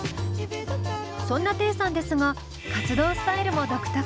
そんなテイさんですが活動スタイルも独特。